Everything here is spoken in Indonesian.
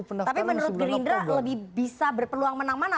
tapi menurut gerindra lebih bisa berpeluang menang mana